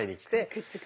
くっつく？